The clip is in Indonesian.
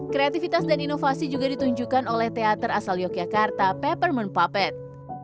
kreativitas dan inovasi juga ditunjukkan oleh teater asal yogyakarta peppermint puppet